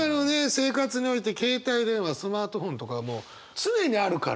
生活において携帯電話スマートフォンとかはもう常にあるから。